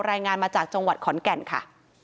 รายงานมาจากจังหวัดขอนแก่นค่ะ